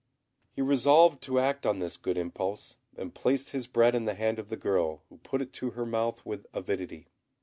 He resolved to act on this good impulse, and placed his bread in the hand of the girl, who put it to her mouth with avidity.